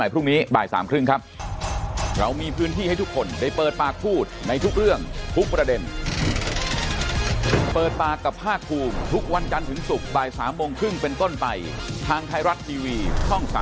พบกันใหม่พรุ่งนี้บ่าย๓๓๐ครับ